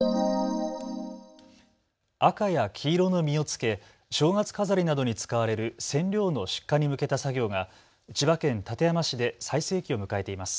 赤や黄色の実をつけ正月飾りなどに使われるセンリョウの出荷に向けた作業が千葉県館山市で最盛期を迎えています。